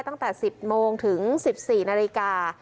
ตั้งแต่๑๐โมงถึง๑๔นาฬิกา